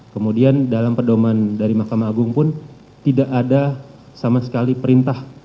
kemudian dalam pedoman dari mahkamah agung pun tidak ada sama sekali perintah